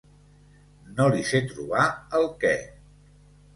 No li sé trobar el què.